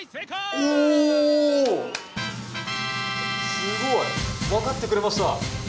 すごい分かってくれました。